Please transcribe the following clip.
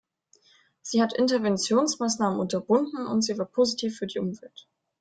Sie hat Interventionsmaßnahmen unterbunden und sie war positiv für die Umwelt.